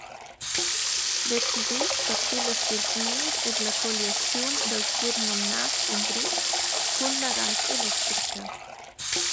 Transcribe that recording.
Decisiv per tillas survgnir es la colliaziun dals surnomnats indrizs cun la rait electrica.